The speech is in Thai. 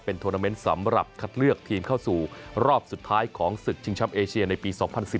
โทรนาเมนต์สำหรับคัดเลือกทีมเข้าสู่รอบสุดท้ายของศึกชิงช้ำเอเชียในปี๒๐๑๙